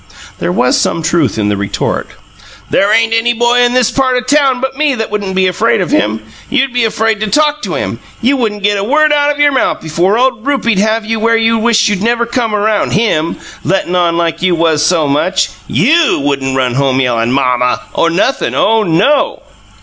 (There was some truth in the retort.) "There ain't any boy in this part of town but me that wouldn't be afraid of him. You'd be afraid to talk to him. You wouldn't get a word out of your mouth before old Rupie'd have you where you'd wished you never come around HIM, lettin' on like you was so much! YOU wouldn't run home yellin' 'Mom muh' or nothin'! OH, no!"